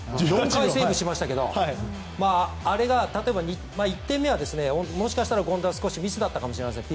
４回セーブしましたけどあれが例えば１点目はもしかしたら権田はミスだったかもしれません。